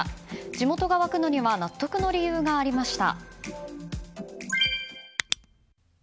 地元が沸くのには納得の理由がありました。